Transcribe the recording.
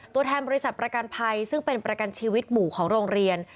ตัวแทนบริษัทประกันภัยซึ่งเป็นประกันชีวิตหมู่ของโรงเรียน